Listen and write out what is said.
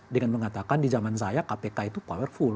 dengan mengatakan di zaman saya kpk itu powerful